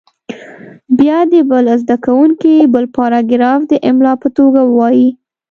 بیا دې بل زده کوونکی بل پاراګراف د املا په توګه ووایي.